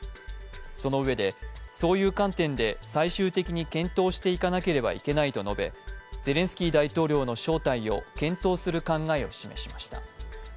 そのうえで、そういう観点で最終的に検討していかなければいけないと述べ、ゼレンスキー大統領の招待を検討する考えを示しました。